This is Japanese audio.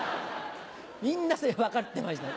みんな分かってましたよ。